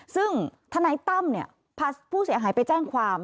ซึ่งทนายตั้มพาผู้เสียหายไปแจ้งความ